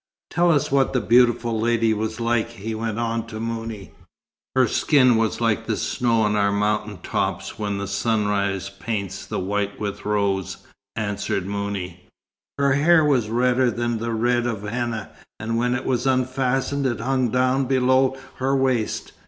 "Tell us what the beautiful lady was like," he went on to Mouni. "Her skin was like the snow on our mountain tops when the sunrise paints the white with rose," answered Mouni. "Her hair was redder than the red of henna, and when it was unfastened it hung down below her waist.